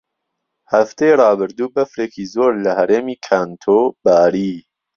هەفتەی ڕابردوو بەفرێکی زۆر لە هەرێمی کانتۆ باری.